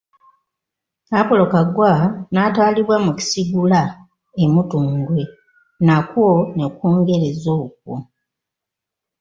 Apolo Kaggwa n'alitwala mu Kisigula e Mutundwe, nakwo ne kwongereza okwo.